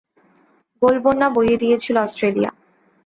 গোলবন্যা বইয়ে দিয়েছিল অস্ট্রেলিয়া।